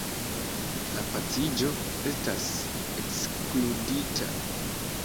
La paciĝo estas ekskludita.